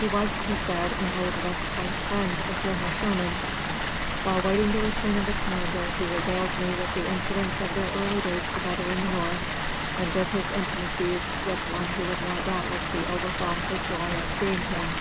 He was, he said, an old West Point friend of General Sherman's. While waiting the return of the commander, he regaled me with incidents of their early days together in the North and with his intimacies with one who would now doubtless be overwhelmed with joy at seeing him.